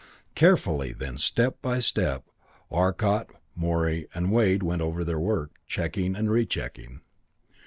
Carefully, then, step by step, Arcot, Morey and Wade went over their work, checking and rechecking.